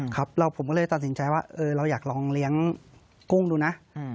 ครับผมก็เลยตัดสินใจว่าเราอยากลองเลี้ยงกุ้งดูนะ